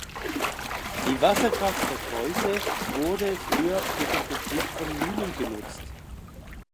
Die Wasserkraft der Creuse wurde früher für den Betrieb von Mühlen genutzt.